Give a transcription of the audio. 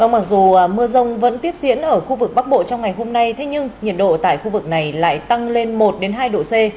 mặc dù mưa rông vẫn tiếp diễn ở khu vực bắc bộ trong ngày hôm nay thế nhưng nhiệt độ tại khu vực này lại tăng lên một hai độ c